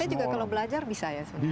saya juga kalau belajar bisa ya sebenarnya